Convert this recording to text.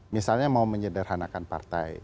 misalnya mau menyederhanakan partai